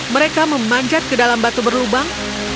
mereka memanjat ke dalam batu berlubang